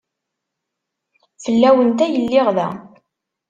Fell-awent ay lliɣ da.